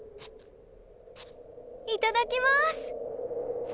いただきます！